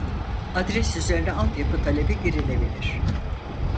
Adres üzerine alt yapı talebi girilebilir